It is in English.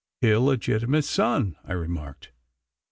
'Illegitimate son,' I remarked.